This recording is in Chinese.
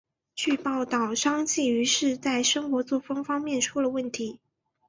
据报道张继禹是在生活作风方面出了问题。